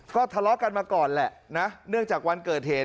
ก็ทะเลาะกันมาก่อนแหละนะเนื่องจากวันเกิดเหตุ